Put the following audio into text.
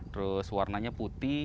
terus warnanya putih